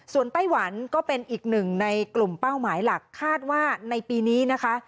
ไต้หวันก็เป็นอีกหนึ่งในกลุ่มเป้าหมายหลักคาดว่าในปีนี้นะคะ